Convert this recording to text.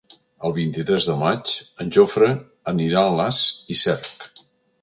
El vint-i-tres de maig en Jofre anirà a Alàs i Cerc.